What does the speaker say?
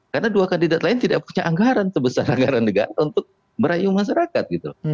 karena dua kandidat lain tidak punya anggaran sebesar anggaran negara untuk merayu masyarakat gitu